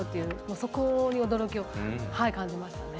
そこに驚きを感じました。